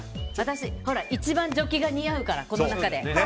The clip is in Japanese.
私、一番ジョッキが似合うからこの中で。